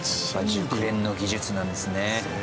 熟練の技術なんですね。